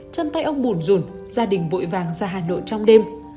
chân tay ông bùn rùn gia đình vội vàng ra hà nội trong đêm